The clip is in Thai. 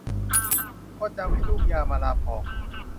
ก็จำให้ลูกยามะลาปอง